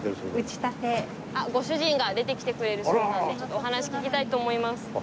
ご主人が出てきてくれるそうなんでちょっとお話聞きたいと思います。